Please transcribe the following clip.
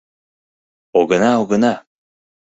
— Огына, огына!..